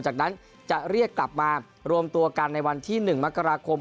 จากนั้นจะเรียกกลับมารวมตัวกันในวันที่๑มกราคม